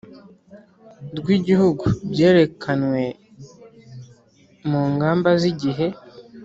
Rw igihugu byerekanwe mu ngamba z igihe